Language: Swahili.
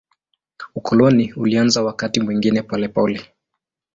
Ukoloni ulianza wakati mwingine polepole.